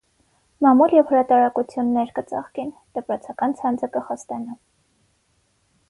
Մամուլ եւ հրատարակութիւններ կը ծաղկին. դպրոցական ցանցը կը խտանայ։